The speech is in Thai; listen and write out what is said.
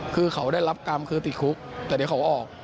คือเขาได้รับกรรมคือติดคุกแต่เดี๋ยวเขาออก